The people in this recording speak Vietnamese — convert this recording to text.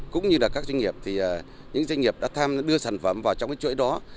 cũng như các doanh nghiệp đã tham đưa sản phẩm vào trong chuỗi đó